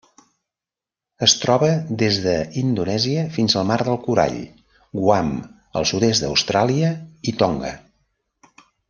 Es troba des d'Indonèsia fins al Mar del Corall, Guam, el sud-est d'Austràlia i Tonga.